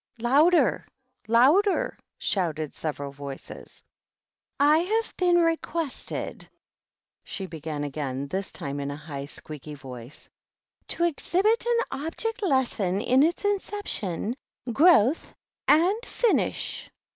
"Louder! Louder!" shouted several voices. " I have been requested," she began again, this time in a high, squeaky voice, "to exhibit an object lesson in its inception, growth, and finish.